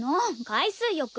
海水浴！